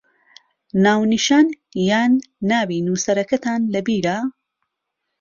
ناونیشان یان ناوی نووسەرەکەتان لەبیرە؟